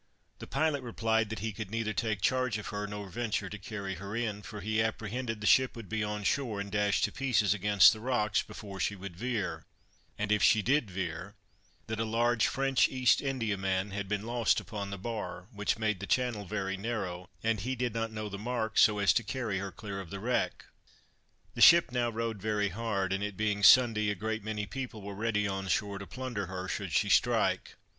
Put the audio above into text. The pilot replied, that he could neither take charge of her, nor venture to carry her in, for he apprehended the ship would be on shore, and dashed to pieces against the rocks, before she would veer; and if she did veer, that a large French East Indiaman had been lost upon the bar, which made the channel very narrow, and he did not know the marks, so as to carry her clear of the wreck. The ship now rode very hard, and it being Sunday a great many people were ready on shore to plunder her, should she strike.